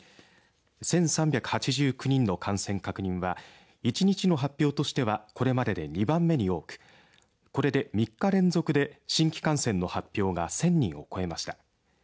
１３８９人の感染確認は１日の発表としてはこれまでで２番目に多くこれで３日連続で新規感染の発表が１０００人を超えました。